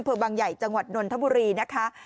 บางใหญ่จังหวัดนนทบุรีนะคะ